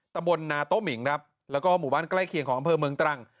ตำบลนาโต้หมิงครับแล้วก็หมู่บ้านใกล้เคียงของอำเภอเมืองตรัง